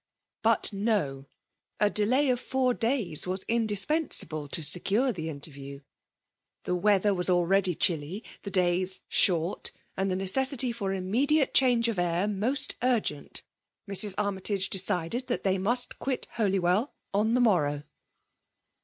But no ! A delay of four days was indis pejiaable to secure the interview. The weather 114 FEICALB IXmiKATiQIf. was already chilly, ihe daya shorty and ike ncceieity for immediate efaange of air most tirgent Mrs. Annytage decided that th^ must quit Holywell on the morrow.